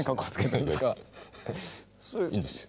いいんですよ。